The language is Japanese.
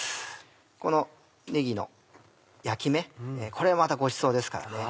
このねぎの焼き目これもまたごちそうですからね。